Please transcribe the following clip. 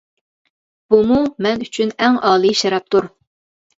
بۇمۇ مەن ئۈچۈن ئەڭ ئالىي شەرەپتۇر.